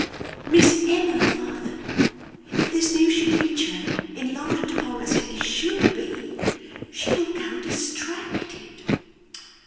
'Miss Emma, father If this news should reach her, enlarged upon as it is sure to be, she will go distracted.